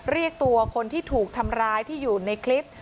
เรียกตัวคนที่ถูกทำร้ายที่อยู่ในคลิป